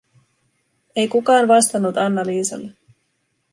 Ei kukaan vastannut Anna Liisalle.